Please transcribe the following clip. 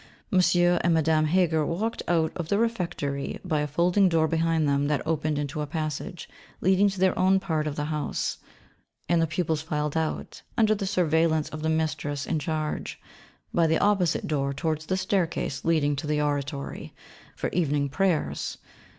Monsieur and Madame Heger walked out of the Refectory by a folding door behind them that opened into a passage leading to their own part of the house; and the pupils filed out, under the surveillance of the mistress in charge, by the opposite door towards the staircase leading to the Oratory, for evening prayers.